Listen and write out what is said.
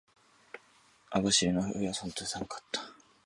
網走の冬は本当に寒かった。